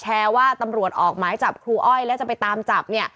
แชร์ว่าตำรวจออกไม้จับครูอ้อยแล้วจะไปตามจับ